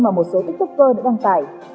mà một số tiktoker đã đăng tải